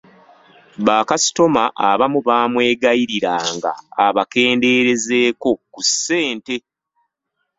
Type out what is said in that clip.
Bakasitoma abamu baamwegayiriranga abakendeerezeeko ku ssente.